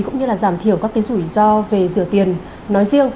cũng như là giảm thiểu các cái rủi ro về rửa tiền nói riêng